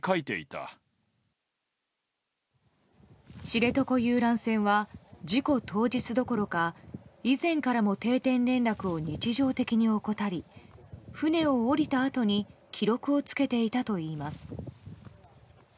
知床遊覧船は事故当日どころか、以前からも定点連絡を日常的に怠り船を降りたあとに記録をつけていたといいます。